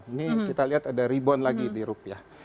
ini kita lihat ada rebound lagi di rupiah